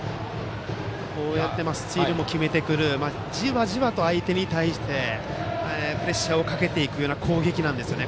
こうやってスチールも決めじわじわと相手に対してプレッシャーをかけていくような攻撃なんですよね。